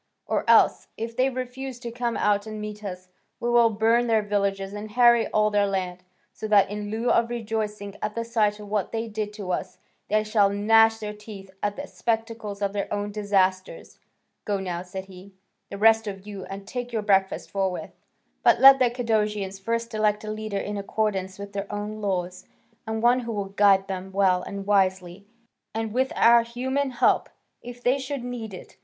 Or else, if they refuse to come out and meet us, we will burn their villages and harry all their land, so that in lieu of rejoicing at the sight of what they did to us, they shall gnash their teeth at the spectacle of their own disasters. Go now," said he, "the rest of you, and take your breakfast forthwith, but let the Cadousians first elect a leader in accordance with their own laws, and one who will guide them well and wisely, by the grace of God, and with our human help, if they should need it.